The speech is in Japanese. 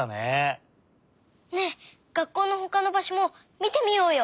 ねえ学校のほかのばしょもみてみようよ！